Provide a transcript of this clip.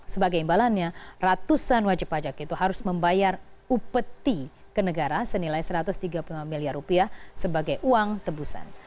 sebagai imbalannya ratusan wajib pajak itu harus membayar upeti ke negara senilai satu ratus tiga puluh lima miliar rupiah sebagai uang tebusan